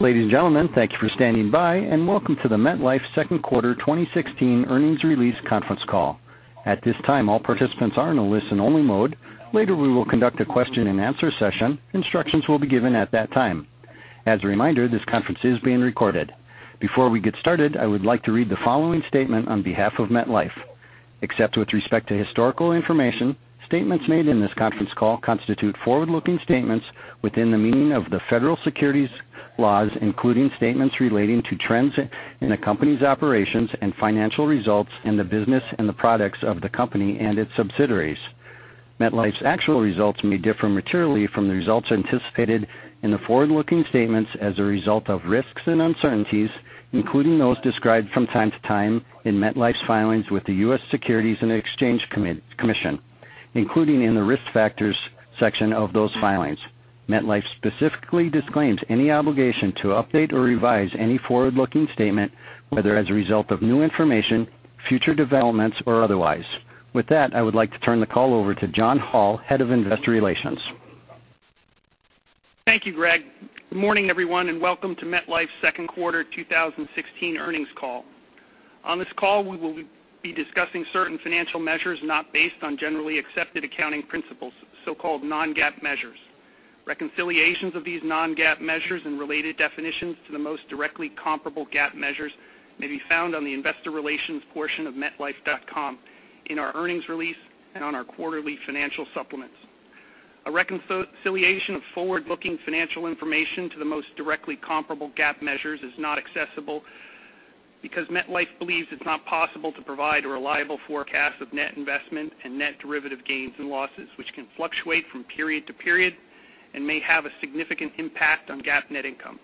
Ladies and gentlemen, thank you for standing by, and welcome to the MetLife second quarter 2016 earnings release conference call. At this time, all participants are in a listen-only mode. Later, we will conduct a question-and-answer session. Instructions will be given at that time. As a reminder, this conference is being recorded. Before we get started, I would like to read the following statement on behalf of MetLife. Except with respect to historical information, statements made in this conference call constitute forward-looking statements within the meaning of the federal securities laws, including statements relating to trends in the company's operations and financial results in the business and the products of the company and its subsidiaries. MetLife's actual results may differ materially from the results anticipated in the forward-looking statements as a result of risks and uncertainties, including those described from time to time in MetLife's filings with the U.S. Securities and Exchange Commission, including in the Risk Factors section of those filings. MetLife specifically disclaims any obligation to update or revise any forward-looking statement, whether as a result of new information, future developments, or otherwise. I would like to turn the call over to John Hall, Head of Investor Relations. Thank you, Greg. Good morning, everyone, and welcome to MetLife's second quarter 2016 earnings call. On this call, we will be discussing certain financial measures not based on generally accepted accounting principles, so-called non-GAAP measures. Reconciliations of these non-GAAP measures and related definitions to the most directly comparable GAAP measures may be found on the investor relations portion of metlife.com in our earnings release and on our quarterly financial supplements. A reconciliation of forward-looking financial information to the most directly comparable GAAP measures is not accessible because MetLife believes it's not possible to provide a reliable forecast of net investment and net derivative gains and losses, which can fluctuate from period to period and may have a significant impact on GAAP net income.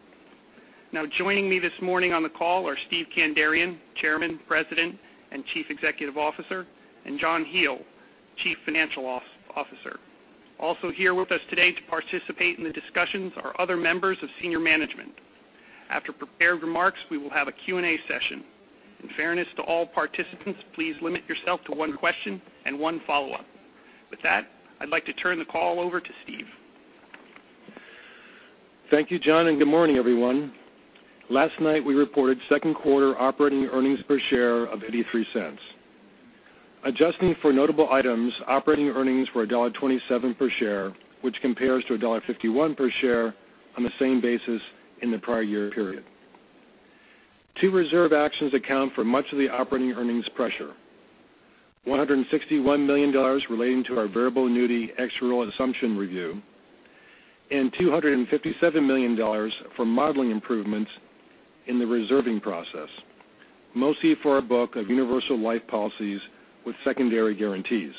Joining me this morning on the call are Steve Kandarian, Chairman, President, and Chief Executive Officer, and John Hele, Chief Financial Officer. Here with us today to participate in the discussions are other members of senior management. After prepared remarks, we will have a Q&A session. In fairness to all participants, please limit yourself to one question and one follow-up. I'd like to turn the call over to Steve. Thank you, John, and good morning, everyone. Last night, we reported second quarter operating earnings per share of $0.83. Adjusting for notable items, operating earnings were $1.27 per share, which compares to $1.51 per share on the same basis in the prior year period. Two reserve actions account for much of the operating earnings pressure: $161 million relating to our variable annuity actuarial assumption review, and $257 million for modeling improvements in the reserving process, mostly for our book of universal life policies with secondary guarantees.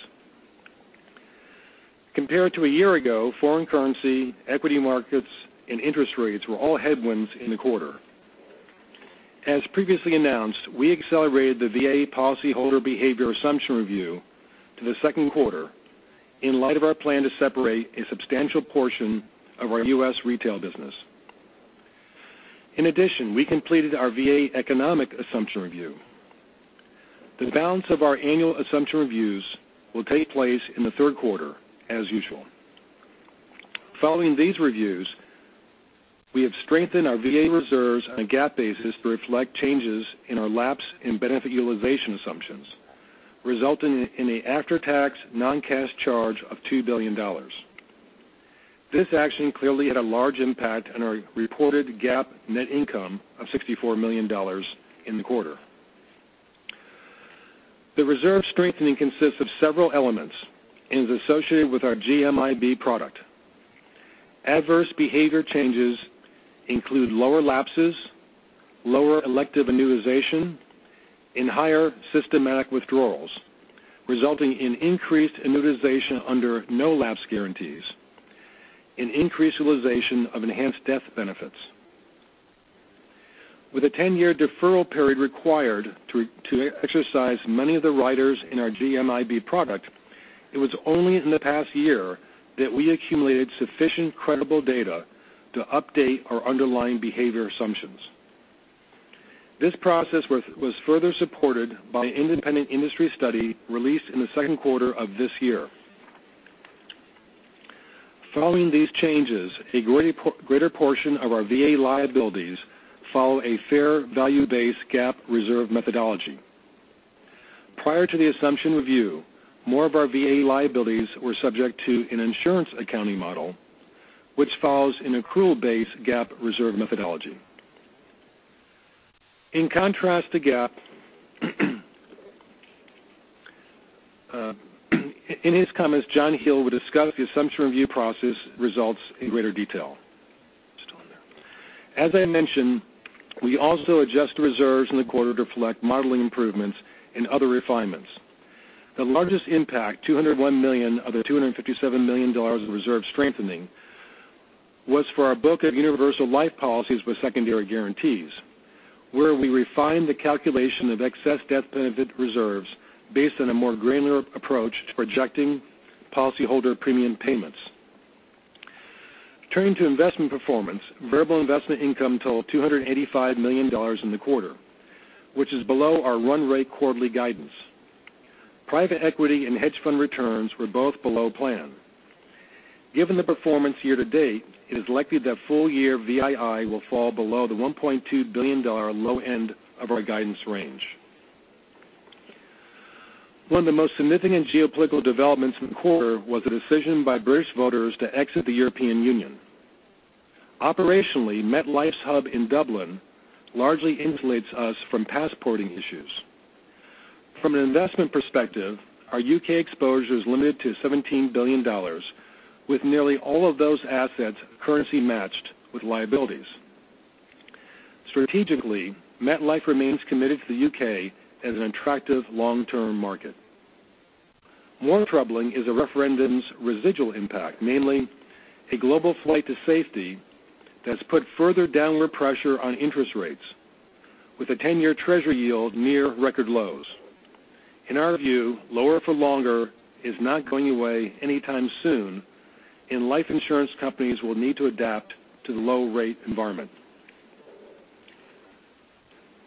Compared to a year ago, foreign currency, equity markets, and interest rates were all headwinds in the quarter. As previously announced, we accelerated the VA policyholder behavior assumption review to the second quarter in light of our plan to separate a substantial portion of our U.S. retail business. In addition, we completed our VA economic assumption review. The balance of our annual assumption reviews will take place in the third quarter as usual. Following these reviews, we have strengthened our VA reserves on a GAAP basis to reflect changes in our lapse in benefit utilization assumptions, resulting in an after-tax non-cash charge of $2 billion. This action clearly had a large impact on our reported GAAP net income of $64 million in the quarter. The reserve strengthening consists of several elements and is associated with our GMIB product. Adverse behavior changes include lower lapses, lower elective annuitization, and higher systematic withdrawals, resulting in increased annuitization under no lapse guarantees and increased utilization of enhanced death benefits. With a 10-year deferral period required to exercise many of the riders in our GMIB product, it was only in the past year that we accumulated sufficient credible data to update our underlying behavior assumptions. This process was further supported by an independent industry study released in the second quarter of this year. Following these changes, a greater portion of our VA liabilities follow a fair value base GAAP reserve methodology. Prior to the assumption review, more of our VA liabilities were subject to an insurance accounting model, which follows an accrual base GAAP reserve methodology. In contrast to GAAP, in his comments, John Hele will discuss the assumption review process results in greater detail. As I mentioned, we also adjusted reserves in the quarter to reflect modeling improvements and other refinements. The largest impact, $201 million of the $257 million of reserve strengthening, was for our book of universal life policies with secondary guarantees, where we refined the calculation of excess death benefit reserves based on a more granular approach to projecting policyholder premium payments. Turning to investment performance, variable investment income totaled $285 million in the quarter, which is below our run rate quarterly guidance. Private equity and hedge fund returns were both below plan. Given the performance year to date, it is likely that full year VII will fall below the $1.2 billion low end of our guidance range. One of the most significant geopolitical developments in the quarter was the decision by British voters to exit the European Union. Operationally, MetLife's hub in Dublin largely insulates us from passporting issues. From an investment perspective, our U.K. exposure is limited to $17 billion, with nearly all of those assets currency matched with liabilities. Strategically, MetLife remains committed to the U.K. as an attractive long-term market. More troubling is the referendum's residual impact, namely, a global flight to safety that's put further downward pressure on interest rates, with the 10-year Treasury yield near record lows. In our view, lower for longer is not going away anytime soon, and life insurance companies will need to adapt to the low rate environment.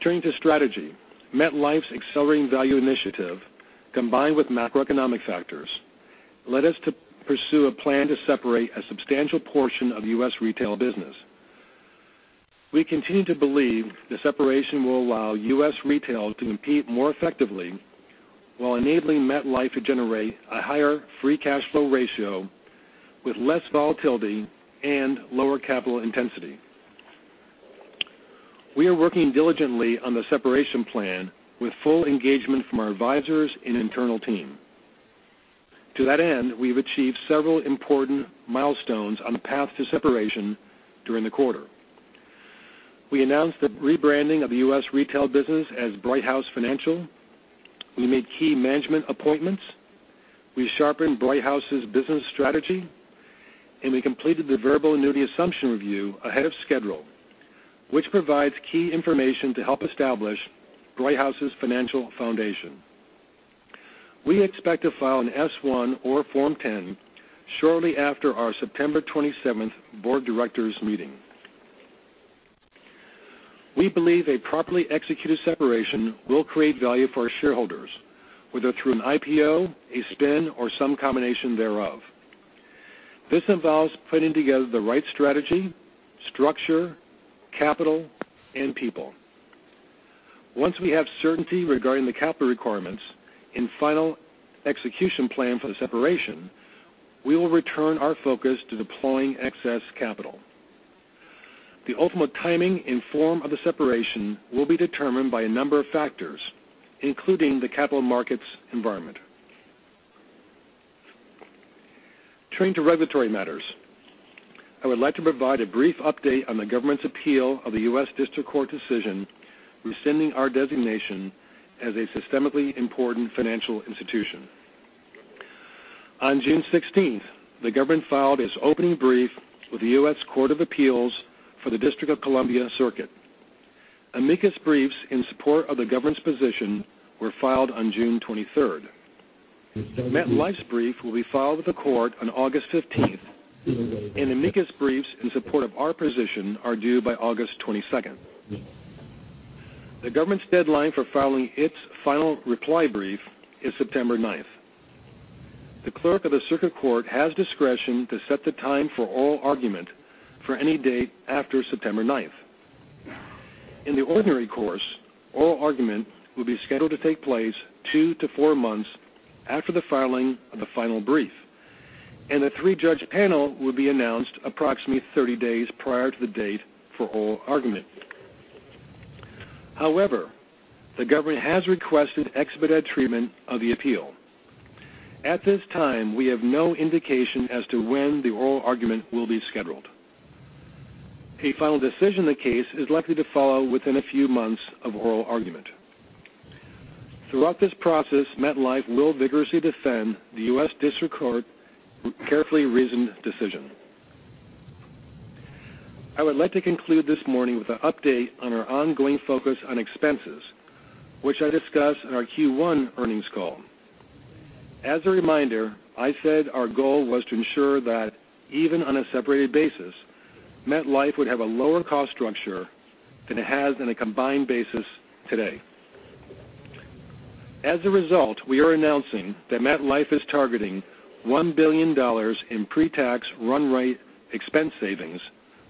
Turning to strategy, MetLife's Accelerating Value Initiative, combined with macroeconomic factors, led us to pursue a plan to separate a substantial portion of U.S. retail business. We continue to believe the separation will allow U.S. retail to compete more effectively while enabling MetLife to generate a higher free cash flow ratio with less volatility and lower capital intensity. We are working diligently on the separation plan with full engagement from our advisors and internal team. To that end, we've achieved several important milestones on the path to separation during the quarter. We announced the rebranding of the U.S. retail business as Brighthouse Financial. We made key management appointments. We sharpened Brighthouse's business strategy. We completed the variable annuity assumption review ahead of schedule, which provides key information to help establish Brighthouse's financial foundation. We expect to file an S1 or Form 10 shortly after our September 27th board of directors meeting. We believe a properly executed separation will create value for our shareholders, whether through an IPO, a spin, or some combination thereof. This involves putting together the right strategy, structure, capital, and people. Once we have certainty regarding the capital requirements and final execution plan for the separation, we will return our focus to deploying excess capital. The ultimate timing and form of the separation will be determined by a number of factors, including the capital markets environment. Turning to regulatory matters, I would like to provide a brief update on the government's appeal of the United States District Court decision rescinding our designation as a systemically important financial institution. On June 16th, the government filed its opening brief with the United States Court of Appeals for the District of Columbia Circuit. Amicus briefs in support of the government's position were filed on June 23rd. MetLife's brief will be filed with the court on August 15th, and amicus briefs in support of our position are due by August 22nd. The government's deadline for filing its final reply brief is September 9th. The clerk of the circuit court has discretion to set the time for oral argument for any date after September 9th. In the ordinary course, oral argument will be scheduled to take place two to four months after the filing of the final brief, and a three-judge panel will be announced approximately 30 days prior to the date for oral argument. However, the government has requested expedited treatment of the appeal. At this time, we have no indication as to when the oral argument will be scheduled. A final decision in the case is likely to follow within a few months of oral argument. Throughout this process, MetLife will vigorously defend the United States District Court carefully reasoned decision. I would like to conclude this morning with an update on our ongoing focus on expenses, which I discussed on our Q1 earnings call. As a reminder, I said our goal was to ensure that even on a separated basis, MetLife would have a lower cost structure than it has in a combined basis today. As a result, we are announcing that MetLife is targeting $1 billion in pre-tax run rate expense savings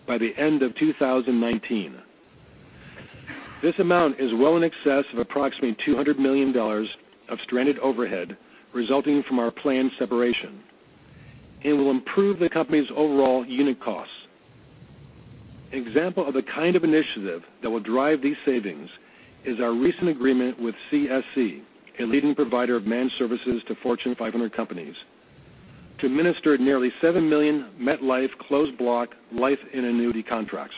by the end of 2019. This amount is well in excess of approximately $200 million of stranded overhead resulting from our planned separation. It will improve the company's overall unit costs. An example of the kind of initiative that will drive these savings is our recent agreement with CSC, a leading provider of managed services to Fortune 500 companies, to administer nearly seven million MetLife closed block life and annuity contracts.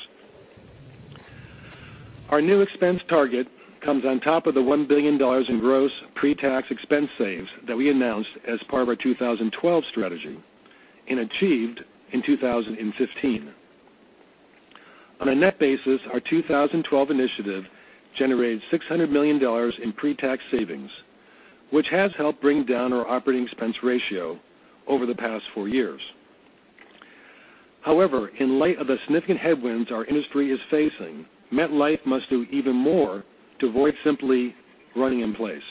Our new expense target comes on top of the $1 billion in gross pre-tax expense saves that we announced as part of our 2012 strategy and achieved in 2015. In light of the significant headwinds our industry is facing, MetLife must do even more to avoid simply running in place.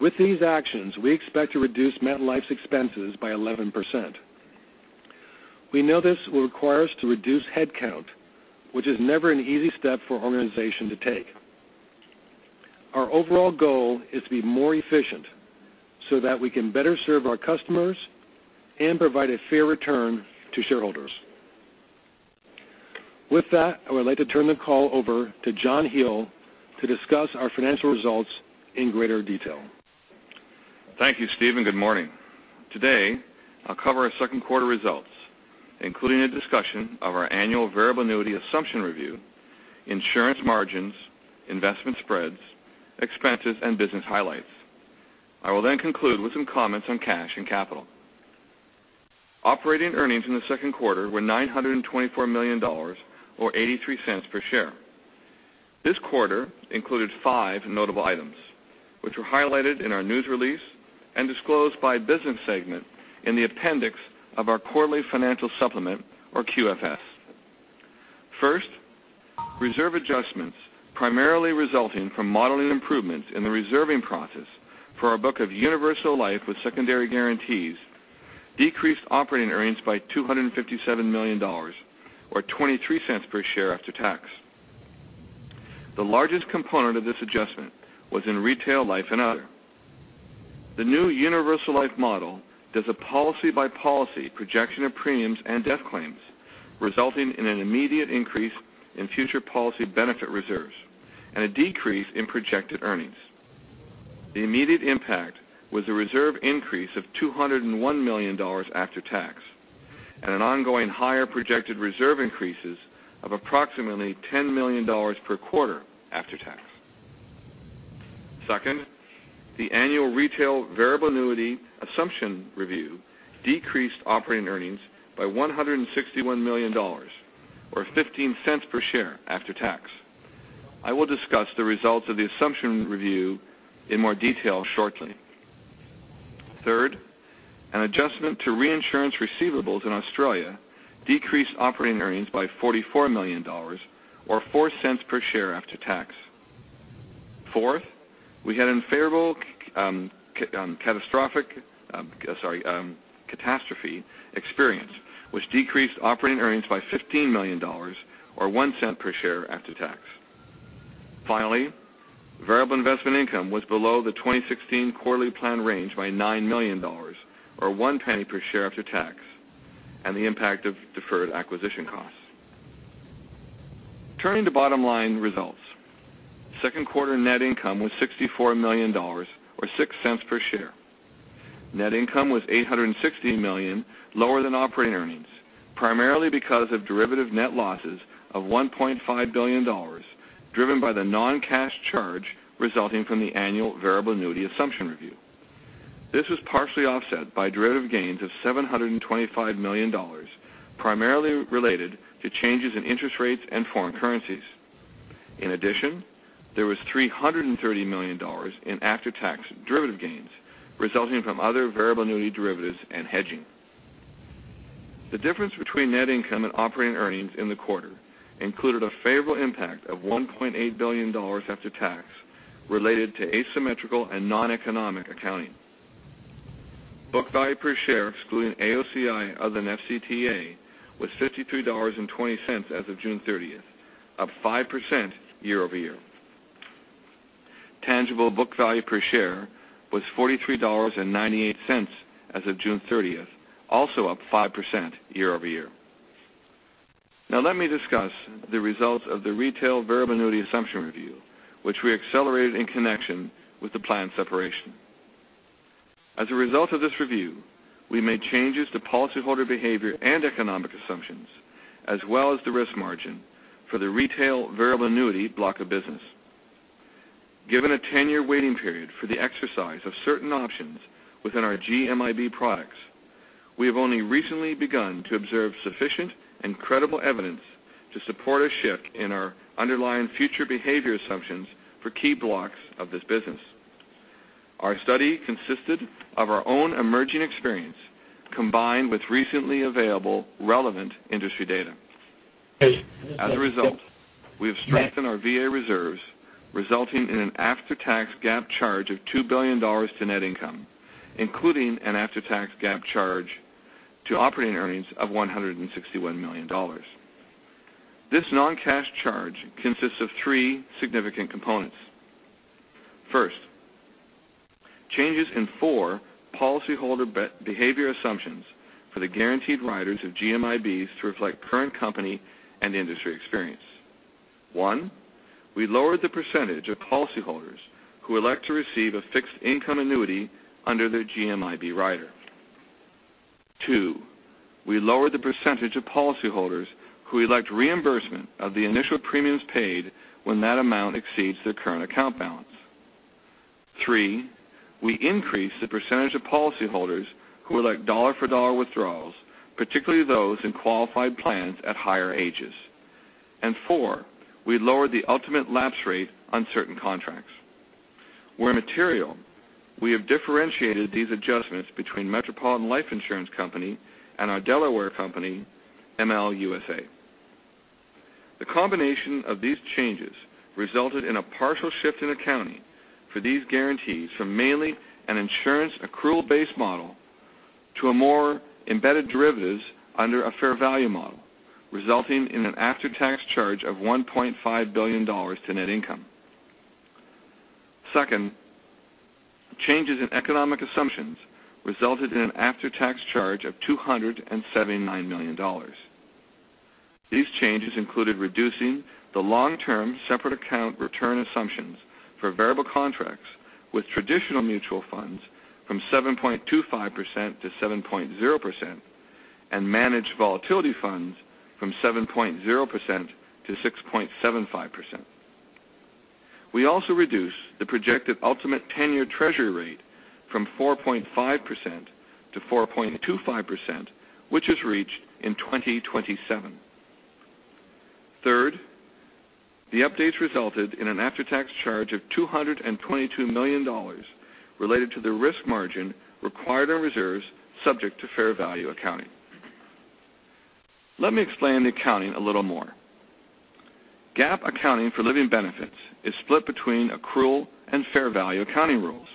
On a net basis, our 2012 initiative generated $600 million in pre-tax savings, which has helped bring down our operating expense ratio over the past four years. With these actions, we expect to reduce MetLife's expenses by 11%. We know this will require us to reduce headcount, which is never an easy step for an organization to take. Our overall goal is to be more efficient so that we can better serve our customers and provide a fair return to shareholders. With that, I would like to turn the call over to John Hele to discuss our financial results in greater detail. Thank you, Steve, and good morning. Today, I'll cover our second quarter results, including a discussion of our annual variable annuity assumption review, insurance margins, investment spreads, expenses, and business highlights. I will then conclude with some comments on cash and capital. Operating earnings in the second quarter were $924 million, or $0.83 per share. This quarter included five notable items, which were highlighted in our news release and disclosed by business segment in the appendix of our quarterly financial supplement, or QFS. Reserve adjustments, primarily resulting from modeling improvements in the reserving process for our book of universal life with secondary guarantees, decreased operating earnings by $257 million, or $0.23 per share after tax. The largest component of this adjustment was in retail life and other. The new universal life model does a policy-by-policy projection of premiums and death claims, resulting in an immediate increase in future policy benefit reserves, and a decrease in projected earnings. The immediate impact was a reserve increase of $201 million after tax, and an ongoing higher projected reserve increases of approximately $10 million per quarter after tax. The annual retail variable annuity assumption review decreased operating earnings by $161 million, or $0.15 per share after tax. I will discuss the results of the assumption review in more detail shortly. An adjustment to reinsurance receivables in Australia decreased operating earnings by $44 million, or $0.04 per share after tax. We had unfavorable catastrophe experience, which decreased operating earnings by $15 million, or $0.01 per share after tax. Finally, variable investment income was below the 2016 quarterly plan range by $9 million, or $0.01 per share after tax, and the impact of deferred acquisition costs. Turning to bottom-line results. Second quarter net income was $64 million, or $0.06 per share. Net income was $860 million lower than operating earnings, primarily because of derivative net losses of $1.5 billion, driven by the non-cash charge resulting from the annual variable annuity assumption review. This was partially offset by derivative gains of $725 million, primarily related to changes in interest rates and foreign currencies. In addition, there was $330 million in after-tax derivative gains resulting from other variable annuity derivatives and hedging. The difference between net income and operating earnings in the quarter included a favorable impact of $1.8 billion after tax related to asymmetrical and noneconomic accounting. Book value per share, excluding AOCI other than FCTA, was $53.20 as of June 30th, up 5% year-over-year. Tangible book value per share was $43.98 as of June 30th, also up 5% year-over-year. Now let me discuss the results of the retail variable annuity assumption review, which we accelerated in connection with the plan separation. As a result of this review, we made changes to policyholder behavior and economic assumptions, as well as the risk margin for the retail variable annuity block of business. Given a 10-year waiting period for the exercise of certain options within our GMIB products, we have only recently begun to observe sufficient and credible evidence to support a shift in our underlying future behavior assumptions for key blocks of this business. Our study consisted of our own emerging experience, combined with recently available relevant industry data. As a result, we have strengthened our VA reserves, resulting in an after-tax GAAP charge of $2 billion to net income, including an after-tax GAAP charge to operating earnings of $161 million. This non-cash charge consists of three significant components. First, changes in four policyholder behavior assumptions for the guaranteed riders of GMIBs to reflect current company and industry experience. One, we lowered the percentage of policyholders who elect to receive a fixed income annuity under their GMIB rider. Two, we lowered the percentage of policyholders who elect reimbursement of the initial premiums paid when that amount exceeds their current account balance. Three, we increased the percentage of policyholders who elect dollar-for-dollar withdrawals, particularly those in qualified plans at higher ages. Four, we lowered the ultimate lapse rate on certain contracts. Where material, we have differentiated these adjustments between Metropolitan Life Insurance Company and our Delaware company, MLUSA. The combination of these changes resulted in a partial shift in accounting for these guarantees from mainly an insurance accrual-based model to a more embedded derivatives under a fair value model, resulting in an after-tax charge of $1.5 billion to net income. Second, changes in economic assumptions resulted in an after-tax charge of $279 million. These changes included reducing the long-term separate account return assumptions for variable contracts with traditional mutual funds from 7.25% to 7.0% and managed volatility funds from 7.0% to 6.75%. We also reduced the projected ultimate 10-year treasury rate from 4.5% to 4.25%, which is reached in 2027. Third, the updates resulted in an after-tax charge of $222 million related to the risk margin required on reserves subject to fair value accounting. Let me explain the accounting a little more. GAAP accounting for living benefits is split between accrual and fair value accounting rules.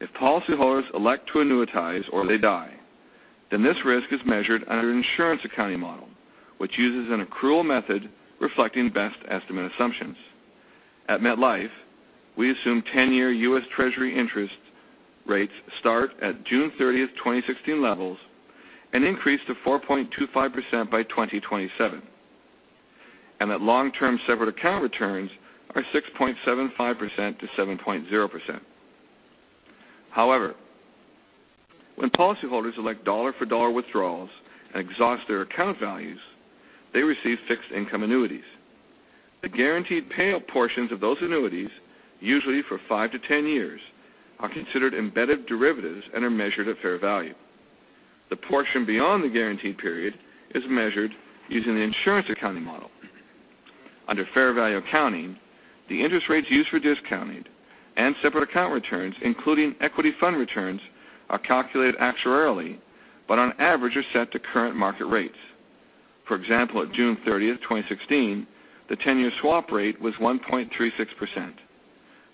If policyholders elect to annuitize or they die, this risk is measured under an insurance accounting model, which uses an accrual method reflecting best estimate assumptions. At MetLife, we assume 10-year U.S. Treasury interest rates start at June 30, 2016, levels and increase to 4.25% by 2027, and that long-term separate account returns are 6.75%-7.0%. When policyholders elect dollar-for-dollar withdrawals and exhaust their account values, they receive fixed income annuities. The guaranteed payout portions of those annuities, usually for 5 to 10 years, are considered embedded derivatives and are measured at fair value. The portion beyond the guarantee period is measured using the insurance accounting model. Under fair value accounting, the interest rates used for discounting and separate account returns, including equity fund returns, are calculated actuarially, but on average, are set to current market rates. For example, at June 30, 2016, the 10-year swap rate was 1.36%.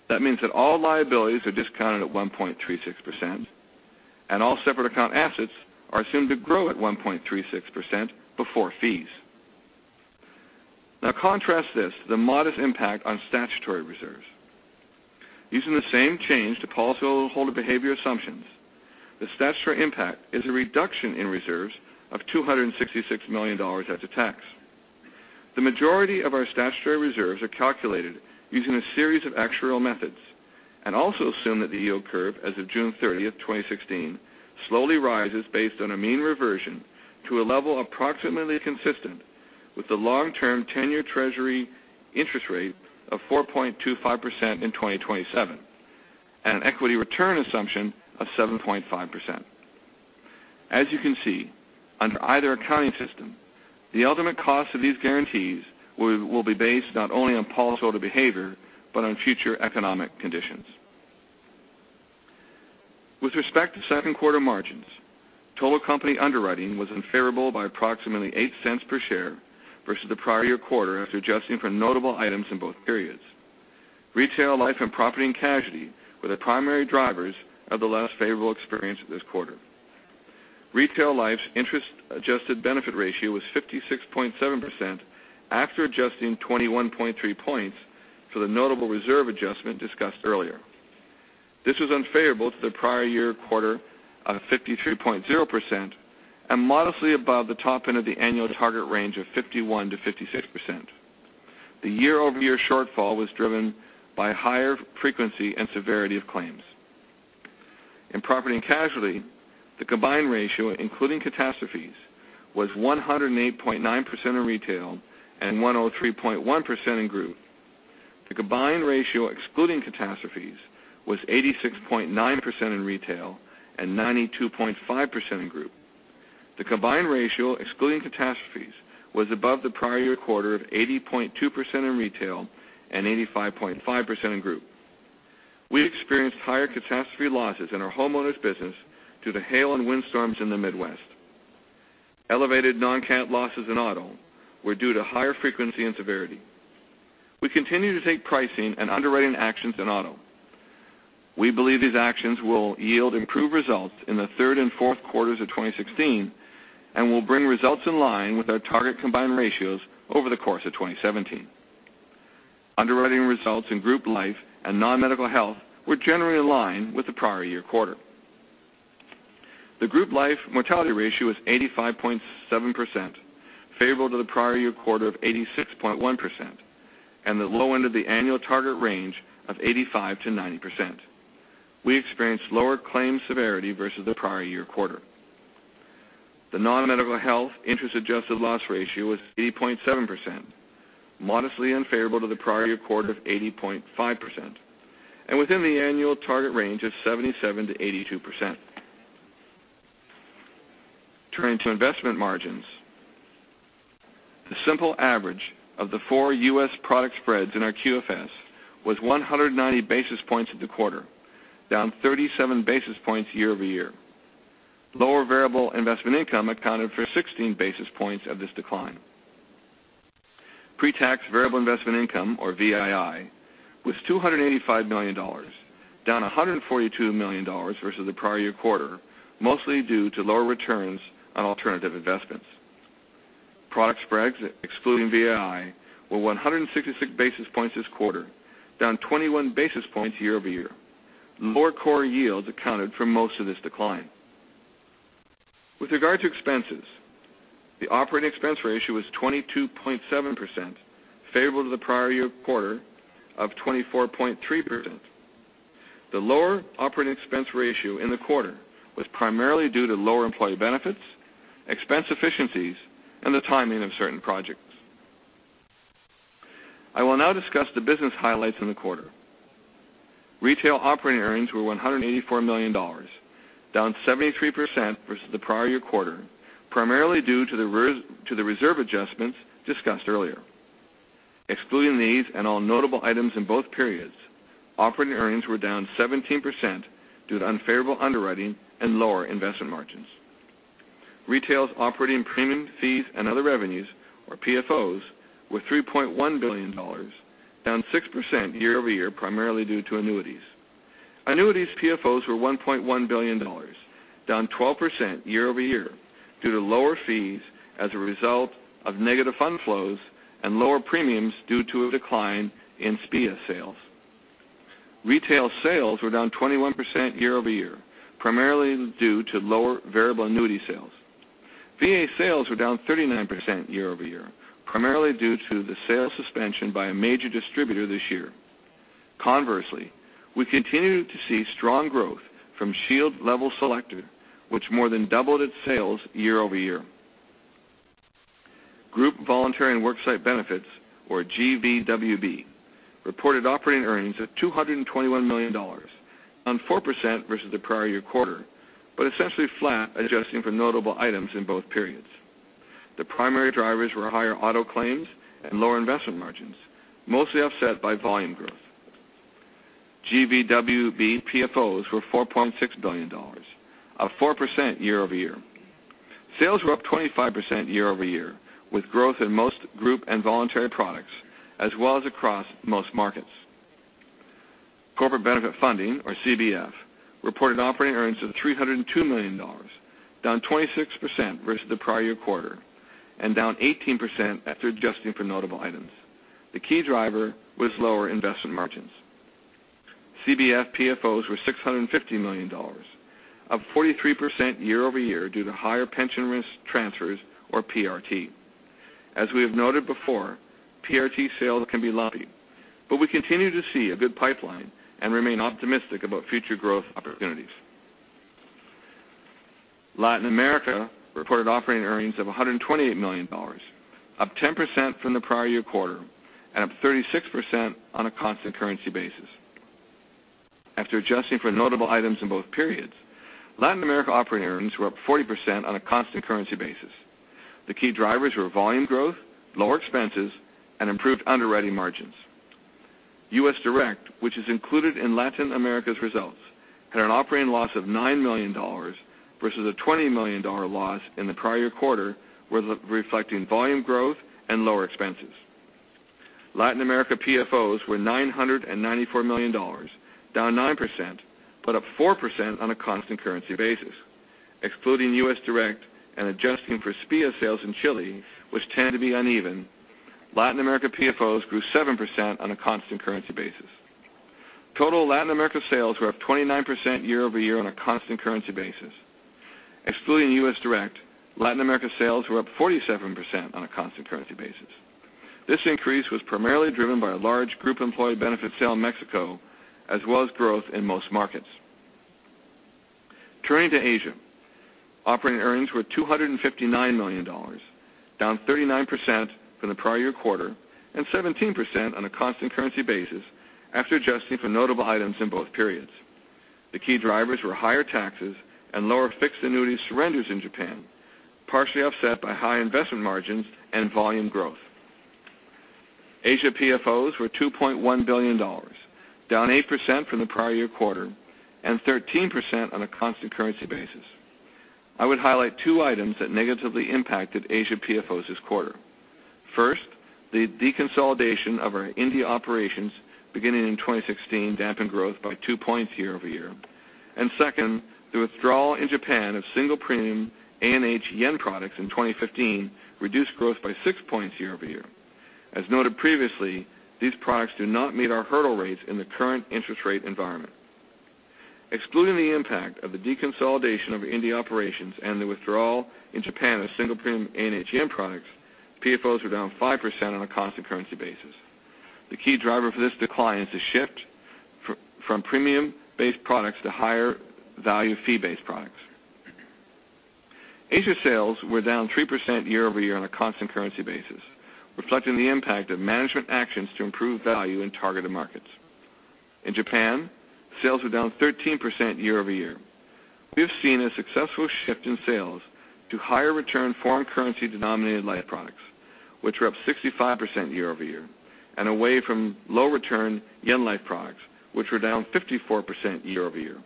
That means that all liabilities are discounted at 1.36%, and all separate account assets are assumed to grow at 1.36% before fees. Contrast this to the modest impact on statutory reserves. Using the same change to policyholder behavior assumptions, the statutory impact is a reduction in reserves of $266 million after tax. The majority of our statutory reserves are calculated using a series of actuarial methods and also assume that the yield curve as of June 30, 2016, slowly rises based on a mean reversion to a level approximately consistent with the long-term 10-year Treasury interest rate of 4.25% in 2027 and an equity return assumption of 7.5%. As you can see, under either accounting system, the ultimate cost of these guarantees will be based not only on policyholder behavior but on future economic conditions. With respect to second quarter margins, total company underwriting was unfavorable by approximately $0.08 per share versus the prior year quarter, after adjusting for notable items in both periods. Retail life and property and casualty were the primary drivers of the less favorable experience this quarter. Retail life's interest adjusted benefit ratio was 56.7% after adjusting 21.3 points for the notable reserve adjustment discussed earlier. This was unfavorable to the prior year quarter of 53.0% and modestly above the top end of the annual target range of 51%-56%. The year-over-year shortfall was driven by higher frequency and severity of claims. In property and casualty, the combined ratio, including catastrophes, was 108.9% in retail and 103.1% in group. The combined ratio excluding catastrophes was 86.9% in retail and 92.5% in group. The combined ratio excluding catastrophes was above the prior year quarter of 80.2% in retail and 85.5% in group. We experienced higher catastrophe losses in our homeowners business due to hail and windstorms in the Midwest. Elevated non-cat losses in auto were due to higher frequency and severity. We continue to take pricing and underwriting actions in auto. We believe these actions will yield improved results in the third and fourth quarters of 2016 and will bring results in line with our target combined ratios over the course of 2017. Underwriting results in group life and non-medical health were generally in line with the prior year quarter. The group life mortality ratio was 85.7%, favorable to the prior year quarter of 86.1%, and the low end of the annual target range of 85%-90%. We experienced lower claim severity versus the prior year quarter. The non-medical health interest adjusted loss ratio was 80.7%, modestly unfavorable to the prior year quarter of 80.5%, and within the annual target range of 77%-82%. Turning to investment margins, the simple average of the four U.S. product spreads in our QFS was 190 basis points in the quarter, down 37 basis points year-over-year. Lower variable investment income accounted for 16 basis points of this decline. Pre-tax variable investment income or VII, was $285 million, down $142 million versus the prior year quarter, mostly due to lower returns on alternative investments. Product spreads excluding VII were 166 basis points this quarter, down 21 basis points year-over-year. Lower core yields accounted for most of this decline. With regard to expenses, the operating expense ratio was 22.7%, favorable to the prior year quarter of 24.3%. The lower operating expense ratio in the quarter was primarily due to lower employee benefits, expense efficiencies, and the timing of certain projects. I will now discuss the business highlights in the quarter. Retail operating earnings were $184 million, down 73% versus the prior year quarter, primarily due to the reserve adjustments discussed earlier. Excluding these and all notable items in both periods, operating earnings were down 17% due to unfavorable underwriting and lower investment margins. Retail's operating premium fees and other revenues, or PFOs, were $3.1 billion, down 6% year-over-year, primarily due to annuities. Annuities PFOs were $1.1 billion, down 12% year-over-year due to lower fees as a result of negative fund flows and lower premiums due to a decline in SPIA sales. Retail sales were down 21% year-over-year, primarily due to lower variable annuity sales. VA sales were down 39% year-over-year, primarily due to the sales suspension by a major distributor this year. Conversely, we continue to see strong growth from Shield Level Selector, which more than doubled its sales year-over-year. Group voluntary and work site benefits, or GVWB, reported operating earnings of $221 million, down 4% versus the prior year quarter but essentially flat adjusting for notable items in both periods. The primary drivers were higher auto claims and lower investment margins, mostly offset by volume growth. GVWB PFOs were $4.6 billion, up 4% year-over-year. Sales were up 25% year-over-year, with growth in most group and voluntary products, as well as across most markets. Corporate benefit funding, or CBF, reported operating earnings of $302 million, down 26% versus the prior year quarter, and down 18% after adjusting for notable items. The key driver was lower investment margins. CBF PFOs were $650 million, up 43% year-over-year due to higher pension risk transfers or PRT. As we have noted before, PRT sales can be lumpy, but we continue to see a good pipeline and remain optimistic about future growth opportunities. Latin America reported operating earnings of $128 million, up 10% from the prior year quarter and up 36% on a constant currency basis. After adjusting for notable items in both periods, Latin America operating earnings were up 40% on a constant currency basis. The key drivers were volume growth, lower expenses, and improved underwriting margins. U.S. Direct, which is included in Latin America's results, had an operating loss of $9 million versus a $20 million loss in the prior quarter, reflecting volume growth and lower expenses. Latin America PFOs were $994 million, down 9%, but up 4% on a constant currency basis. Excluding U.S. Direct and adjusting for SPIA sales in Chile, which tend to be uneven, Latin America PFOs grew 7% on a constant currency basis. Total Latin America sales were up 29% year-over-year on a constant currency basis. Excluding U.S. Direct, Latin America sales were up 47% on a constant currency basis. This increase was primarily driven by a large group employee benefit sale in Mexico, as well as growth in most markets. Turning to Asia. Operating earnings were $259 million, down 39% from the prior year quarter and 17% on a constant currency basis after adjusting for notable items in both periods. The key drivers were higher taxes and lower fixed annuity surrenders in Japan, partially offset by high investment margins and volume growth. Asia PFOs were $2.1 billion, down 8% from the prior year quarter and 13% on a constant currency basis. I would highlight two items that negatively impacted Asia PFOs this quarter. First, the deconsolidation of our India operations beginning in 2016 dampened growth by two points year-over-year. Second, the withdrawal in Japan of single premium A&H JPY products in 2015 reduced growth by six points year-over-year. As noted previously, these products do not meet our hurdle rates in the current interest rate environment. Excluding the impact of the deconsolidation of India operations and the withdrawal in Japan of single premium A&H JPY products, PFOs were down 5% on a constant currency basis. The key driver for this decline is a shift from premium-based products to higher value fee-based products. Asia sales were down 3% year-over-year on a constant currency basis, reflecting the impact of management actions to improve value in targeted markets. In Japan, sales were down 13% year-over-year. We have seen a successful shift in sales to higher return foreign currency denominated life products, which were up 65% year-over-year, and away from low return JPY life products, which were down 54% year-over-year.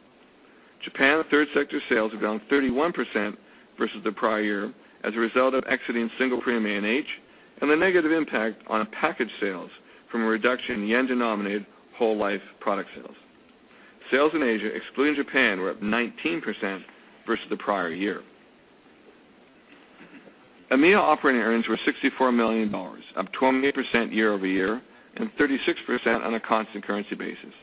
Japan third sector sales were down 31% versus the prior year as a result of exiting single premium A&H and the negative impact on package sales from a reduction in JPY-denominated whole life product sales. Sales in Asia, excluding Japan, were up 19% versus the prior year. EMEA operating earnings were $64 million, up 28% year-over-year and 36% on a constant currency basis.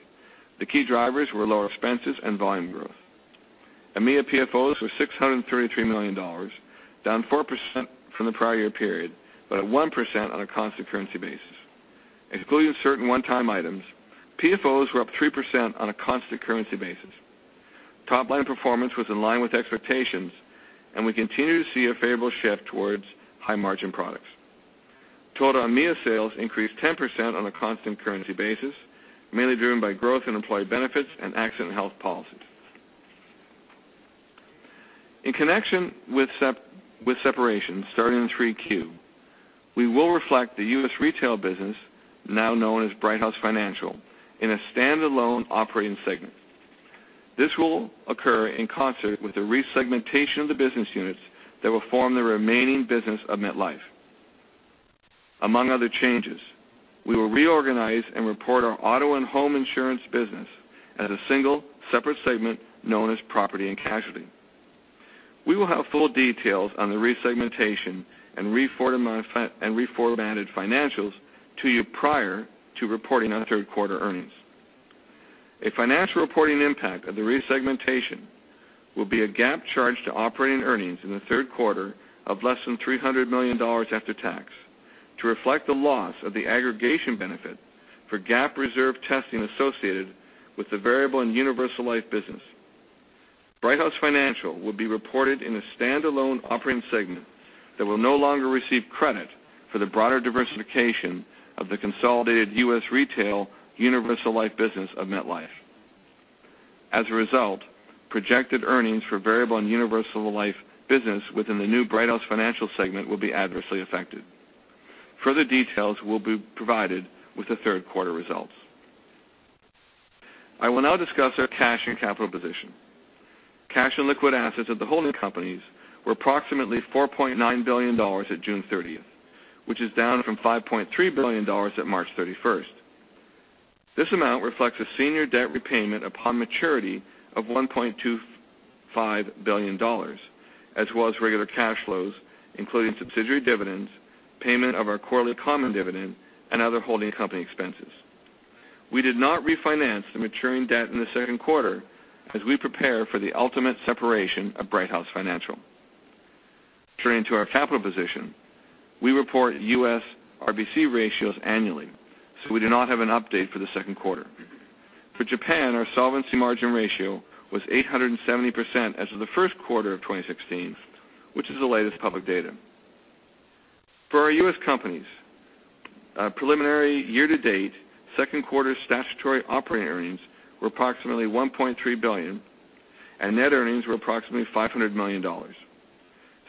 The key drivers were lower expenses and volume growth. EMEA PFOs were $633 million, down 4% from the prior year period, but at 1% on a constant currency basis. Excluding certain one-time items, PFOs were up 3% on a constant currency basis. Top line performance was in line with expectations. We continue to see a favorable shift towards high margin products. Total EMEA sales increased 10% on a constant currency basis, mainly driven by growth in employee benefits and Accident & Health policies. In connection with separation starting in 3Q, we will reflect the U.S. retail business, now known as Brighthouse Financial, in a standalone operating segment. This will occur in concert with the resegmentation of the business units that will form the remaining business of MetLife. Among other changes, we will reorganize and report our auto and home insurance business as a single separate segment known as property and casualty. We will have full details on the resegmentation and reformatted financials to you prior to reporting on the third quarter earnings. A financial reporting impact of the resegmentation will be a GAAP charge to operating earnings in the third quarter of less than $300 million after tax to reflect the loss of the aggregation benefit for GAAP reserve testing associated with the variable and universal life business. Brighthouse Financial will be reported in a standalone operating segment that will no longer receive credit for the broader diversification of the consolidated U.S. retail universal life business of MetLife. As a result, projected earnings for variable and universal life business within the new Brighthouse Financial segment will be adversely affected. Further details will be provided with the third quarter results. I will now discuss our cash and capital position. Cash and liquid assets of the holding companies were approximately $4.9 billion at June 30th, which is down from $5.3 billion at March 31st. This amount reflects a senior debt repayment upon maturity of $1.25 billion, as well as regular cash flows, including subsidiary dividends, payment of our quarterly common dividend, and other holding company expenses. We did not refinance the maturing debt in the second quarter as we prepare for the ultimate separation of Brighthouse Financial. Turning to our capital position, we report U.S. RBC ratios annually, so we do not have an update for the second quarter. For Japan, our solvency margin ratio was 870% as of the first quarter of 2016, which is the latest public data. For our U.S. companies, preliminary year-to-date second quarter statutory operating earnings were approximately $1.3 billion, and net earnings were approximately $500 million.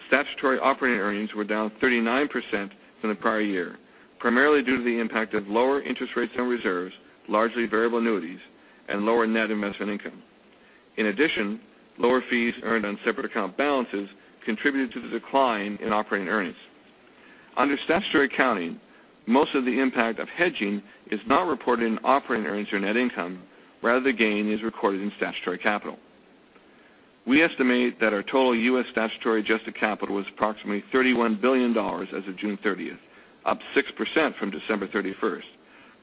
Statutory operating earnings were down 39% from the prior year, primarily due to the impact of lower interest rates on reserves, largely variable annuities and lower net investment income. In addition, lower fees earned on separate account balances contributed to the decline in operating earnings. Under statutory accounting, most of the impact of hedging is not reported in operating earnings or net income, rather the gain is recorded in statutory capital. We estimate that our total U.S. statutory adjusted capital was approximately $31 billion as of June 30th, up 6% from December 31st,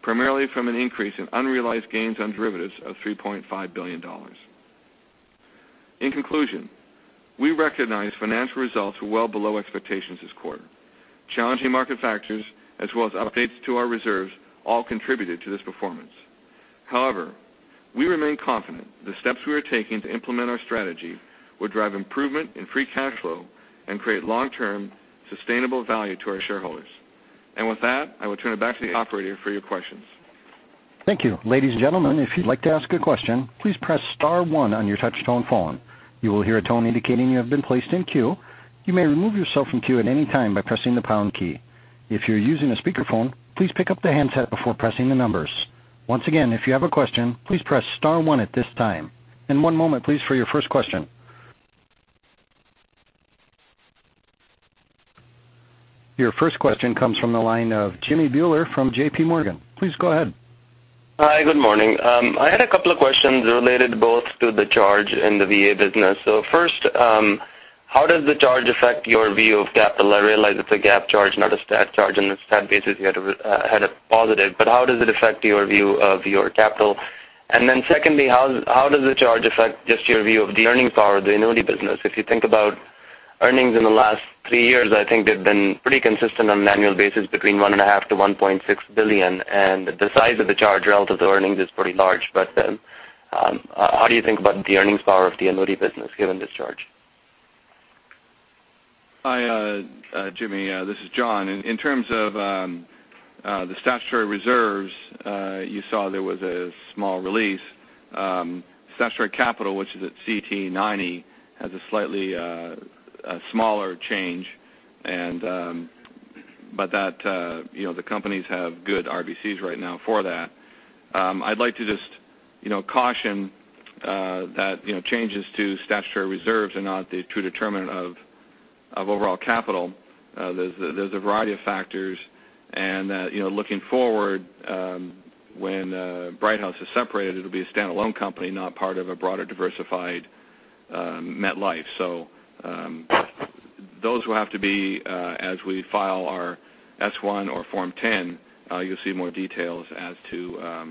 primarily from an increase in unrealized gains on derivatives of $3.5 billion. In conclusion, we recognize financial results were well below expectations this quarter. Challenging market factors as well as updates to our reserves all contributed to this performance. However, we remain confident the steps we are taking to implement our strategy will drive improvement in free cash flow and create long-term sustainable value to our shareholders. With that, I will turn it back to the operator for your questions. Thank you. Ladies and gentlemen, if you'd like to ask a question, please press *1 on your touchtone phone. You will hear a tone indicating you have been placed in queue. You may remove yourself from queue at any time by pressing the # key. If you're using a speakerphone, please pick up the handset before pressing the numbers. Once again, if you have a question, please press *1 at this time. One moment, please, for your first question. Your first question comes from the line of Jimmy Bhullar from JP Morgan. Please go ahead. Hi, good morning. First, how does the charge affect your view of capital? I realize it's a GAAP charge, not a stat charge, and the stat basis you had a positive, how does it affect your view of your capital? Secondly, how does the charge affect just your view of the earning power of the annuity business? If you think about earnings in the last 3 years, I think they've been pretty consistent on an annual basis between $1.5 billion-$1.6 billion, and the size of the charge relative to earnings is pretty large. How do you think about the earnings power of the annuity business given this charge? Hi, Jimmy. This is John. In terms of the statutory reserves, you saw there was a small release. Statutory capital, which is at CTE90, has a slightly smaller change. The companies have good RBCs right now for that. I'd like to just caution that changes to statutory reserves are not the true determinant of overall capital. There's a variety of factors and that, looking forward, when Brighthouse is separated, it'll be a standalone company, not part of a broader diversified MetLife. Those will have to be as we file our S1 or Form 10, you'll see more details as to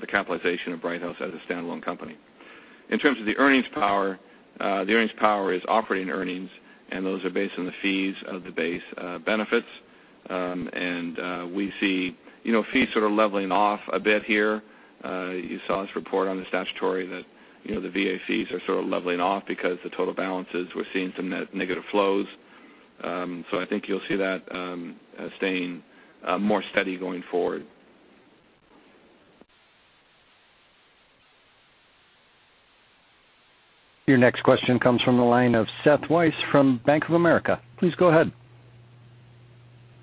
the capitalization of Brighthouse as a standalone company. In terms of the earnings power, the earnings power is operating earnings, and those are based on the fees of the base benefits. We see fees sort of leveling off a bit here. You saw in this report on the statutory that the VA fees are sort of leveling off because the total balances, we're seeing some negative flows. I think you'll see that staying more steady going forward. Your next question comes from the line of Seth Weiss from Bank of America. Please go ahead.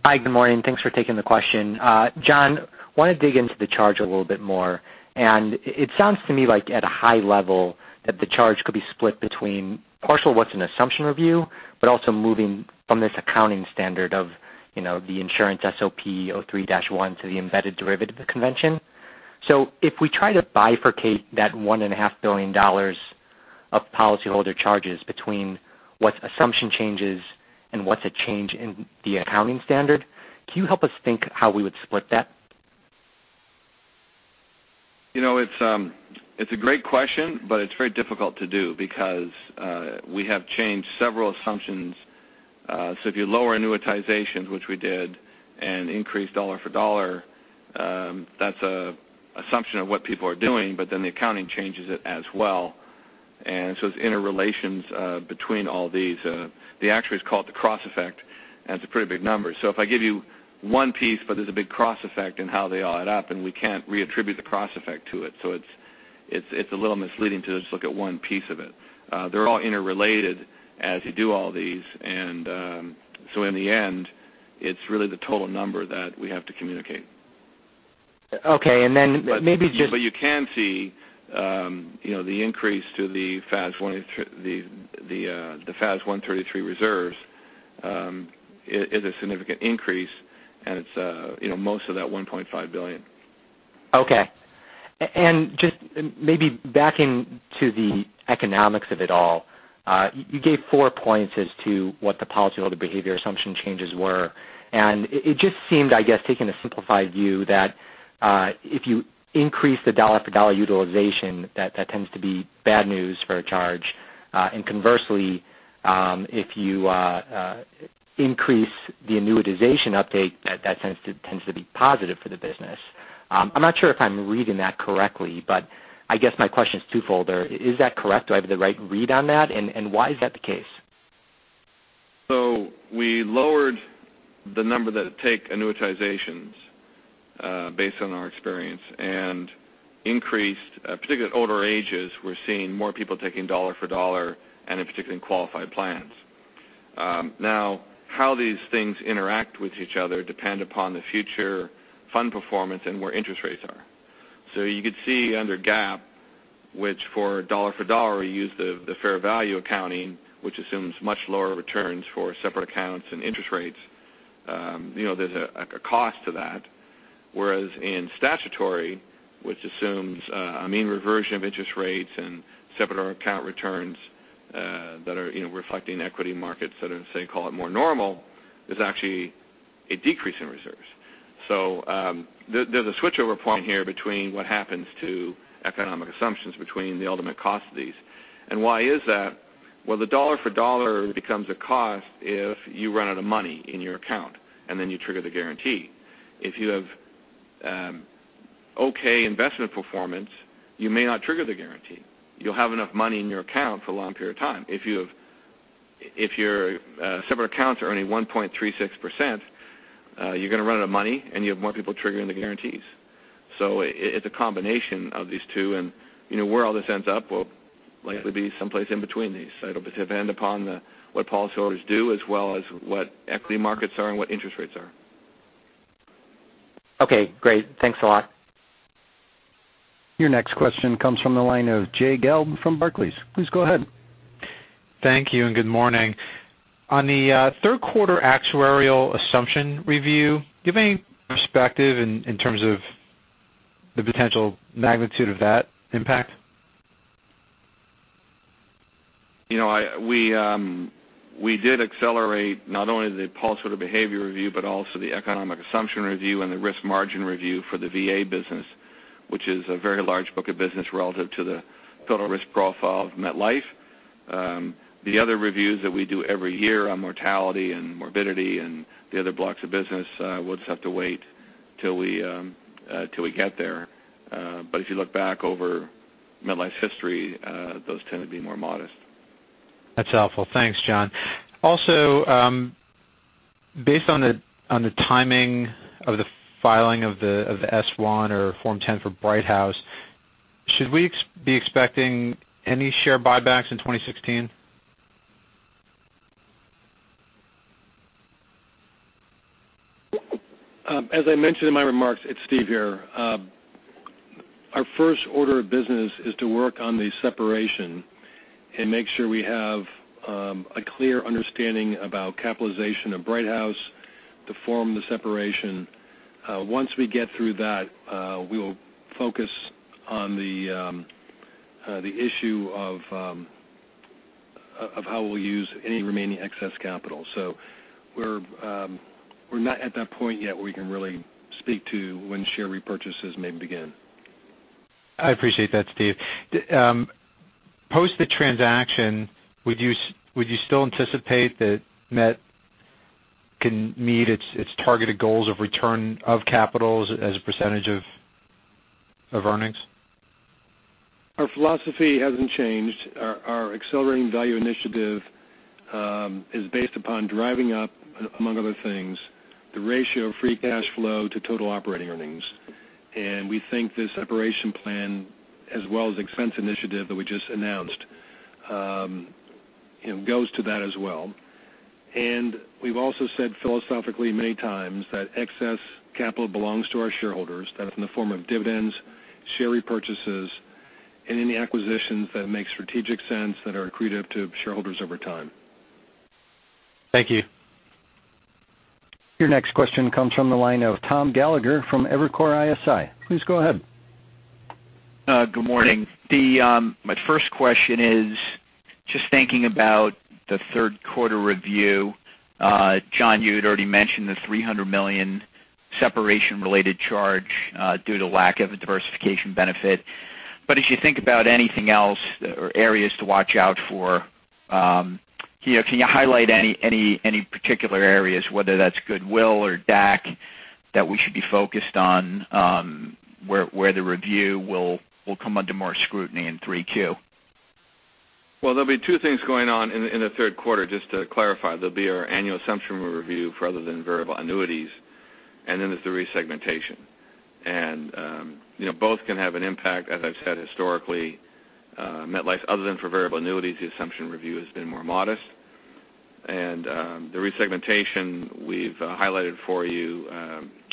Hi, good morning. Thanks for taking the question. John, want to dig into the charge a little bit more. It sounds to me like at a high level that the charge could be split between partial what's an assumption review, but also moving from this accounting standard of the insurance SOP 03-1 to the embedded derivative convention. If we try to bifurcate that $1.5 billion of policyholder charges between what's assumption changes and what's a change in the accounting standard, can you help us think how we would split that? It's a great question, but it's very difficult to do because we have changed several assumptions. If you lower annuitizations, which we did, and increase dollar for dollar, that's an assumption of what people are doing, but then the accounting changes it as well. It's interrelations between all these. The actuaries call it the cross effect, and it's a pretty big number. If I give you one piece, but there's a big cross effect in how they all add up, and we can't reattribute the cross effect to it. It's a little misleading to just look at one piece of it. They're all interrelated as you do all these, and so in the end, it's really the total number that we have to communicate. Okay, maybe just- You can see the increase to the FAS 133 reserves is a significant increase, and it's most of that $1.5 billion. Okay. Just maybe backing to the economics of it all, you gave four points as to what the policyholder behavior assumption changes were. It just seemed, I guess, taking a simplified view, that if you increase the dollar for dollar utilization, that tends to be bad news for a charge. Conversely, if you increase the annuitization update, that tends to be positive for the business. I'm not sure if I'm reading that correctly, but I guess my question is twofold. Is that correct? Do I have the right read on that? Why is that the case? We lowered the number that take annuitizations based on our experience, and increased, particularly at older ages, we're seeing more people taking dollar for dollar and in particular in qualified plans. How these things interact with each other depend upon the future fund performance and where interest rates are. You could see under GAAP, which for dollar for dollar, we use the fair value accounting, which assumes much lower returns for separate accounts and interest rates. There's a cost to that. Whereas in statutory, which assumes a mean reversion of interest rates and separate account returns that are reflecting equity markets that are, say, call it more normal, there's actually a decrease in reserves. There's a switchover point here between what happens to economic assumptions between the ultimate cost of these. Why is that? The dollar for dollar becomes a cost if you run out of money in your account, and then you trigger the guarantee. If you have okay investment performance, you may not trigger the guarantee. You'll have enough money in your account for a long period of time. If your separate accounts are earning 1.36%, you're going to run out of money, and you have more people triggering the guarantees. It's a combination of these two, and where all this ends up will likely be someplace in between these. It'll depend upon what policyholders do as well as what equity markets are and what interest rates are. Okay, great. Thanks a lot. Your next question comes from the line of Jay Gelb from Barclays. Please go ahead. Thank you, and good morning. On the third quarter actuarial assumption review, do you have any perspective in terms of the potential magnitude of that impact? We did accelerate not only the policyholder behavior review, but also the economic assumption review and the risk margin review for the VA business, which is a very large book of business relative to the total risk profile of MetLife. The other reviews that we do every year on mortality and morbidity and the other blocks of business, we'll just have to wait Till we get there. If you look back over MetLife's history, those tend to be more modest. That's helpful. Thanks, John. Also, based on the timing of the filing of the S1 or Form 10 for Brighthouse Financial, should we be expecting any share buybacks in 2016? As I mentioned in my remarks, it's Steve here. Our first order of business is to work on the separation and make sure we have a clear understanding about capitalization of Brighthouse Financial to form the separation. Once we get through that, we will focus on the issue of how we'll use any remaining excess capital. We're not at that point yet where we can really speak to when share repurchases may begin. I appreciate that, Steve. Post the transaction, would you still anticipate that Met can meet its targeted goals of return of capital as a percentage of earnings? Our philosophy hasn't changed. Our Accelerating Value Initiative is based upon driving up, among other things, the ratio of free cash flow to total operating earnings. We think the separation plan, as well as expense initiative that we just announced, goes to that as well. We've also said philosophically many times that excess capital belongs to our shareholders, that it's in the form of dividends, share repurchases, and any acquisitions that make strategic sense that are accretive to shareholders over time. Thank you. Your next question comes from the line of Thomas Gallagher from Evercore ISI. Please go ahead. Good morning. My first question is just thinking about the third quarter review. John, you had already mentioned the $300 million separation related charge due to lack of a diversification benefit. As you think about anything else or areas to watch out for, can you highlight any particular areas, whether that's goodwill or DAC, that we should be focused on where the review will come under more scrutiny in 3Q? Well, there'll be two things going on in the third quarter, just to clarify. There'll be our annual assumption review for other than variable annuities, there's the resegmentation. Both can have an impact, as I've said historically MetLife, other than for variable annuities, the assumption review has been more modest. The resegmentation we've highlighted for you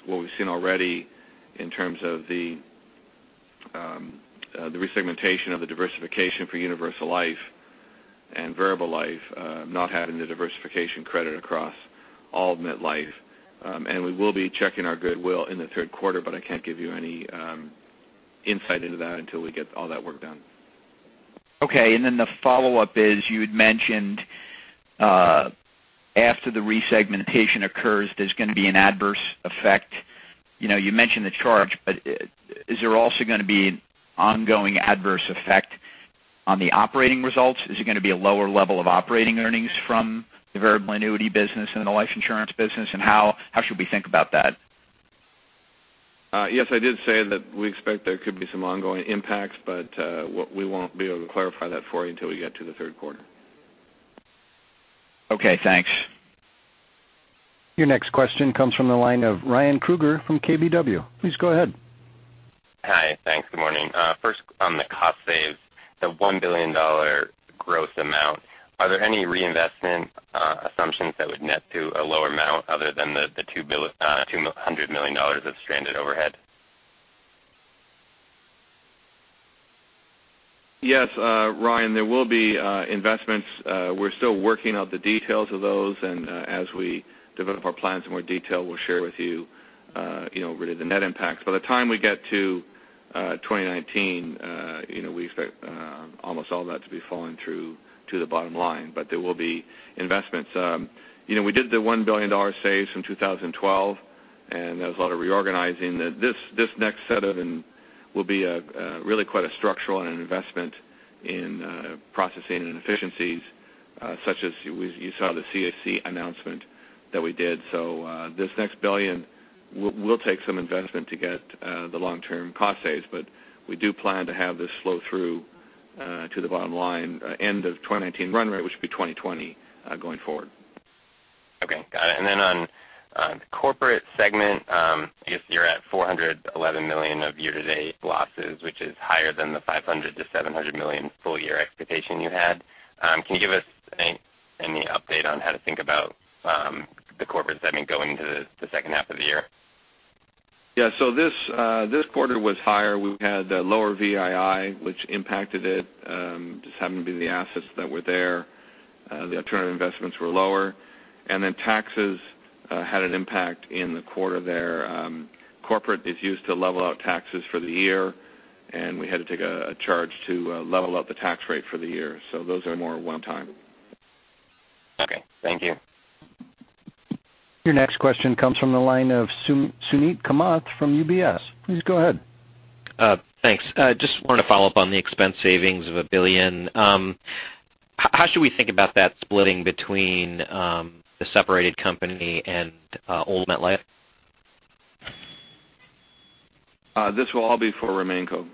what we've seen already in terms of the resegmentation of the diversification for universal life and variable life not having the diversification credit across all of MetLife. We will be checking our goodwill in the third quarter, but I can't give you any insight into that until we get all that work done. Okay, then the follow-up is, you had mentioned after the resegmentation occurs, there's going to be an adverse effect. You mentioned the charge, but is there also going to be ongoing adverse effect on the operating results? Is it going to be a lower level of operating earnings from the variable annuity business and the life insurance business? How should we think about that? Yes, I did say that we expect there could be some ongoing impacts, but we won't be able to clarify that for you until we get to the third quarter. Okay, thanks. Your next question comes from the line of Ryan Krueger from KBW. Please go ahead. Hi. Thanks. Good morning. First on the cost saves, the $1 billion growth amount, are there any reinvestment assumptions that would net to a lower amount other than the $200 million of stranded overhead? Yes, Ryan, there will be investments. We're still working out the details of those. As we develop our plans in more detail, we'll share with you really the net impacts. By the time we get to 2019, we expect almost all that to be falling through to the bottom line, but there will be investments. We did the $1 billion saves in 2012. There was a lot of reorganizing. This next set of will be really quite a structural and an investment in processing and efficiencies such as you saw the CSC announcement that we did. This next $1 billion will take some investment to get the long-term cost saves, but we do plan to have this flow through to the bottom line end of 2019 run rate, which will be 2020 going forward. Okay. Got it. On the corporate segment, I guess you're at $411 million of year-to-date losses, which is higher than the $500 million-$700 million full year expectation you had. Can you give us any update on how to think about the corporate segment going into the second half of the year? Yeah. This quarter was higher. We had lower VII, which impacted it. Just happened to be the assets that were there. The alternative investments were lower. Taxes had an impact in the quarter there. Corporate is used to level out taxes for the year. We had to take a charge to level out the tax rate for the year. Those are more one time. Okay. Thank you. Your next question comes from the line of Suneet Kamath from UBS. Please go ahead. Thanks. Just wanted to follow up on the expense savings of $1 billion. How should we think about that splitting between the separated company and old MetLife? This will all be for RemainCo.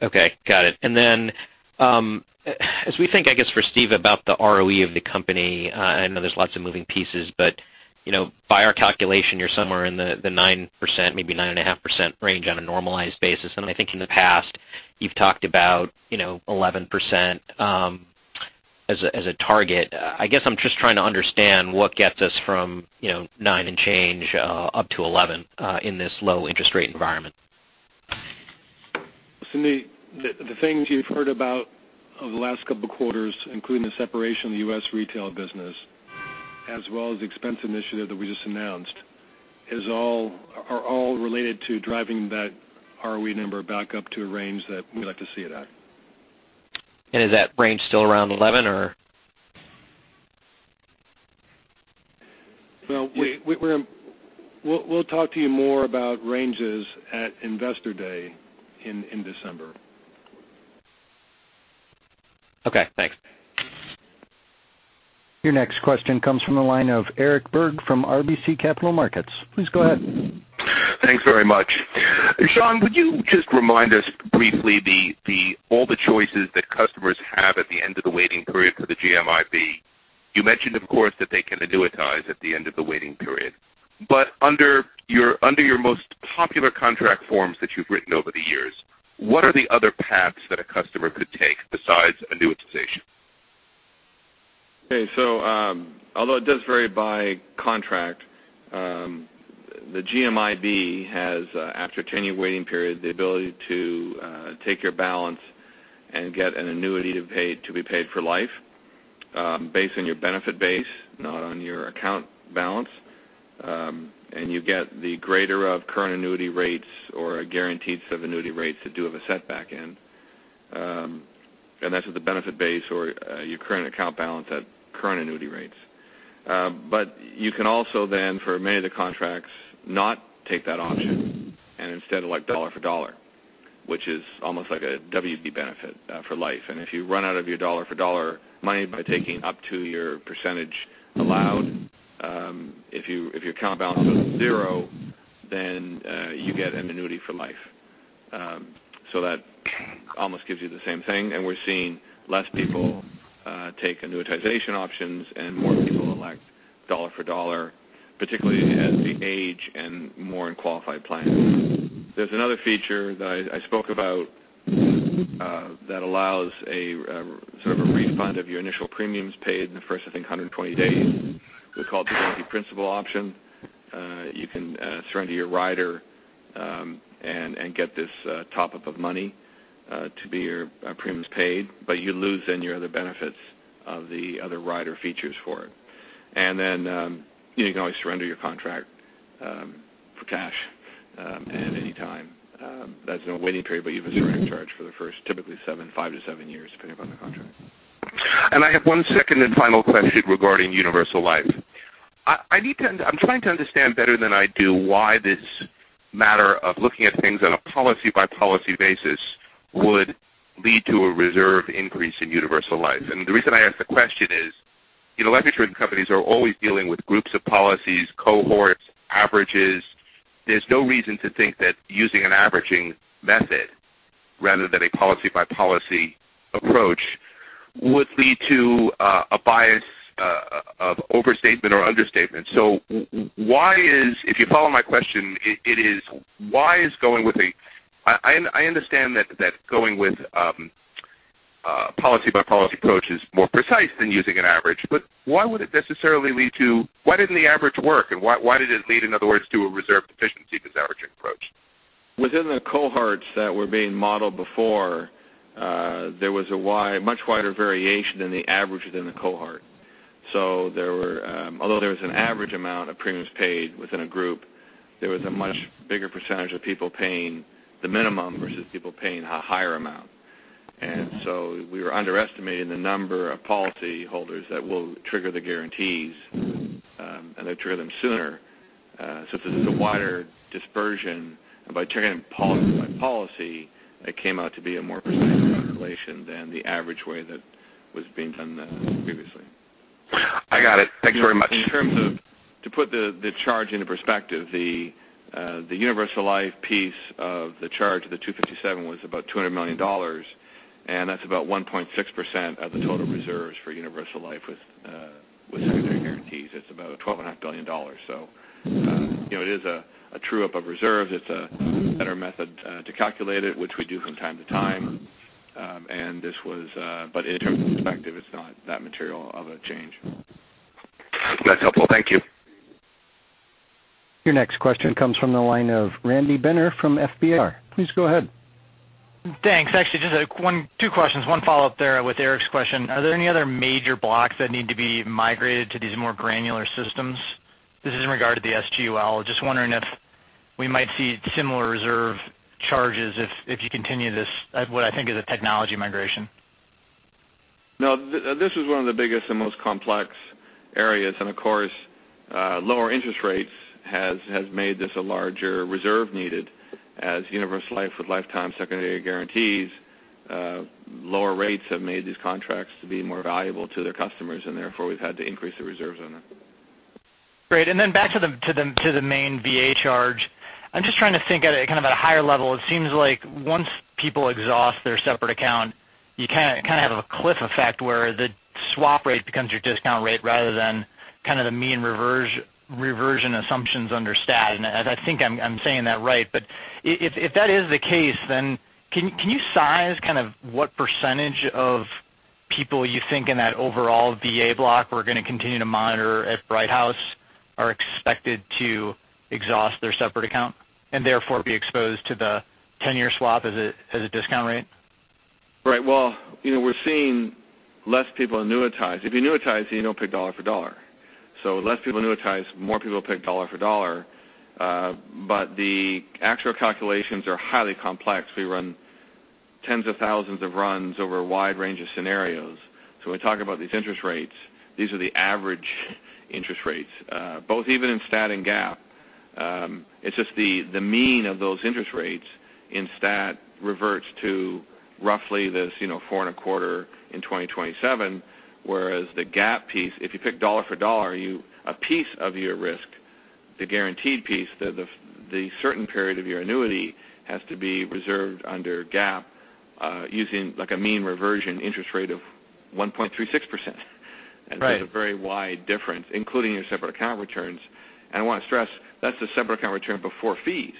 Okay. Got it. As we think, I guess, for Steve, about the ROE of the company, I know there's lots of moving pieces, but by our calculation, you're somewhere in the 9%, maybe 9.5% range on a normalized basis. I think in the past, you've talked about 11% as a target. I guess I'm just trying to understand what gets us from nine and change up to 11 in this low interest rate environment. Suneet, the things you've heard about over the last couple of quarters, including the separation of the U.S. retail business, as well as the expense initiative that we just announced, are all related to driving that ROE number back up to a range that we'd like to see it at. Is that range still around 11, or? Well, we'll talk to you more about ranges at Investor Day in December. Okay, thanks. Your next question comes from the line of Eric Berg from RBC Capital Markets. Please go ahead. Thanks very much. John, would you just remind us briefly all the choices that customers have at the end of the waiting period for the GMIB? You mentioned, of course, that they can annuitize at the end of the waiting period. Under your most popular contract forms that you've written over the years, what are the other paths that a customer could take besides annuitization? Okay. Although it does vary by contract, the GMIB has, after a 10-year waiting period, the ability to take your balance and get an annuity to be paid for life, based on your benefit base, not on your account balance. You get the greater of current annuity rates or a guaranteed set of annuity rates that do have a setback in. That's with the benefit base or your current account balance at current annuity rates. You can also then, for many of the contracts, not take that option and instead elect dollar for dollar, which is almost like a WB benefit for life. If you run out of your dollar for dollar money by taking up to your percentage allowed, if your account balance goes to zero, then you get an annuity for life. That almost gives you the same thing, and we're seeing less people take annuitization options and more people elect dollar for dollar, particularly as they age and more in qualified plans. There's another feature that I spoke about that allows sort of a refund of your initial premiums paid in the first, I think, 120 days. We call it the multi-principal option. You can surrender your rider and get this top-up of money to be your premiums paid, but you lose then your other benefits of the other rider features for it. Then, you can always surrender your contract for cash at any time. There's no waiting period, but you have a surrender charge for the first typically five to seven years, depending upon the contract. I have one second and final question regarding universal life. I'm trying to understand better than I do why this matter of looking at things on a policy-by-policy basis would lead to a reserve increase in universal life. The reason I ask the question is, life insurance companies are always dealing with groups of policies, cohorts, averages. There's no reason to think that using an averaging method rather than a policy-by-policy approach would lead to a bias of overstatement or understatement. Why is, if you follow my question, I understand that going with a policy-by-policy approach is more precise than using an average, but why didn't the average work, and why did it lead, in other words, to a reserve deficiency, this averaging approach? Within the cohorts that were being modeled before, there was a much wider variation than the average within the cohort. Although there was an average amount of premiums paid within a group, there was a much bigger percentage of people paying the minimum versus people paying a higher amount. We were underestimating the number of policyholders that will trigger the guarantees, and they trigger them sooner. There's a wider dispersion. By triggering policy by policy, it came out to be a more precise calculation than the average way that was being done previously. I got it. Thanks very much. In terms of, to put the charge into perspective, the universal life piece of the charge of the 257 was about $200 million. That's about 1.6% of the total reserves for universal life with secondary guarantees. It's about $12.5 billion. It is a true-up of reserves. It's a better method to calculate it, which we do from time to time. In terms of perspective, it's not that material of a change. That's helpful. Thank you. Your next question comes from the line of Randy Binner from FBR. Please go ahead. Thanks. Actually, just two questions. One follow-up there with Eric's question. Are there any other major blocks that need to be migrated to these more granular systems? This is in regard to the SGUL. Just wondering if we might see similar reserve charges if you continue this, what I think is a technology migration. This is one of the biggest and most complex areas. Of course, lower interest rates has made this a larger reserve needed as universal life with lifetime secondary guarantees. Lower rates have made these contracts to be more valuable to their customers. Therefore, we've had to increase the reserves on them. Great. Then back to the main VA charge. I'm just trying to think at a higher level. It seems like once people exhaust their separate account, you kind of have a cliff effect where the swap rate becomes your discount rate rather than the mean reversion assumptions under stat. I think I'm saying that right. If that is the case, can you size what percentage of people you think in that overall VA block we're going to continue to monitor at Brighthouse are expected to exhaust their separate account and therefore be exposed to the 10-year swap as a discount rate? We're seeing less people annuitize. If you annuitize, then you don't pay dollar for dollar. Less people annuitize, more people pay dollar for dollar. The actual calculations are highly complex. We run tens of thousands of runs over a wide range of scenarios. When we talk about these interest rates, these are the average interest rates, both even in stat and GAAP. It's just the mean of those interest rates in stat reverts to roughly this 4.25% in 2027, whereas the GAAP piece, if you pay dollar for dollar, a piece of your risk, the guaranteed piece, the certain period of your annuity, has to be reserved under GAAP, using a mean reversion interest rate of 1.36%. Right. There's a very wide difference, including your separate account returns. I want to stress, that's the separate account return before fees.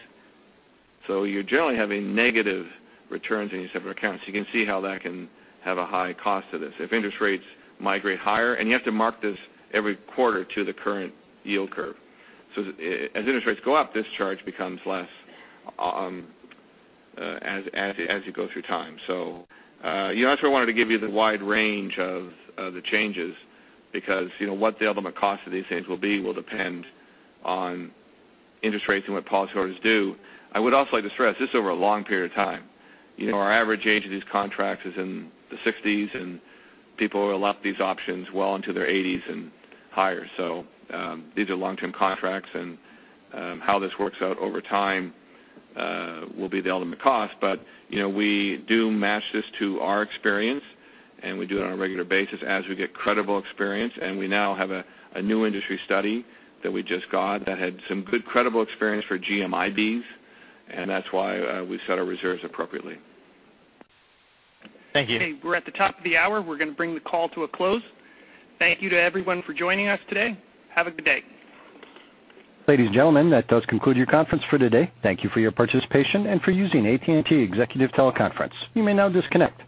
You generally have a negative return in your separate accounts. You can see how that can have a high cost to this. If interest rates migrate higher, you have to mark this every quarter to the current yield curve. As interest rates go up, this charge becomes less as you go through time. That's why I wanted to give you the wide range of the changes because what the ultimate cost of these things will be will depend on interest rates and what policyholders do. This is over a long period of time. Our average age of these contracts is in the 60s, and people will elect these options well into their 80s and higher. These are long-term contracts, and how this works out over time will be the ultimate cost. We do match this to our experience, and we do it on a regular basis as we get credible experience. We now have a new industry study that we just got that had some good credible experience for GMIBs, and that's why we set our reserves appropriately. Thank you. Okay. We're at the top of the hour. We're going to bring the call to a close. Thank you to everyone for joining us today. Have a good day. Ladies and gentlemen, that does conclude your conference for today. Thank you for your participation and for using AT&T TeleConference Services. You may now disconnect.